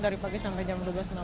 dari pagi sampai jam dua belas